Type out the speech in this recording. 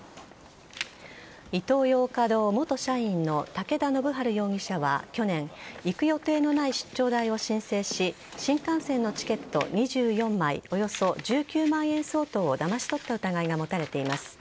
イトーヨーカ堂元社員の武田信晴容疑者は去年、行く予定のない出張代を申請し新幹線のチケット２４枚およそ１９万円相当をだまし取った疑いが持たれています。